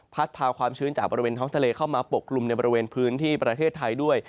พาความชื้นจากบริเวณท้องทะเลเข้ามาปกกลุ่มในบริเวณพื้นที่ประเทศไทยด้วย